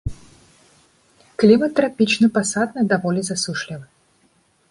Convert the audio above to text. Клімат трапічны пасатны, даволі засушлівы.